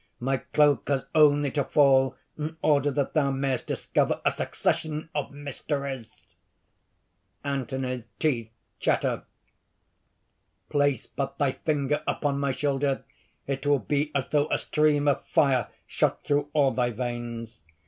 My cloak has only to fall in order that thou mayest discover a succession of mysteries." (Anthony's teeth chatter.) "Place but thy finger upon my shoulder: it will be as though a stream of fire shot through all thy veins.